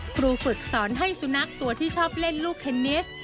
ครูฝึกสอนให้สุนัขตัวที่ชอบเล่นลูกเทนนิส